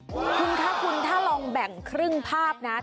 คุณคะคุณถ้าลองแบ่งครึ่งภาพนะ